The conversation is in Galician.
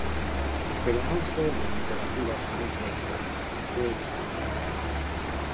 Pero non só de literatura se nutre o poema, veu explicar.